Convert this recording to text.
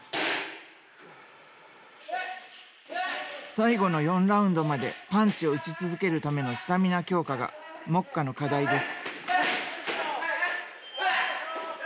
最後の４ラウンドまでパンチを打ち続けるためのスタミナ強化が目下の課題です。